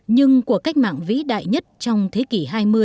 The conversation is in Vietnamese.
nhưng cuộc cách mạng vĩ đại nhất trong thế kỷ hai mươi